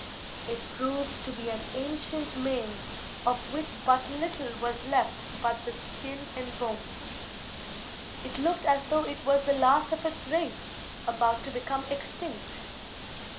It proved to be an ancient male of which but little was left but the skin and bones. It looked as though it was the last of its race, about to become extinct.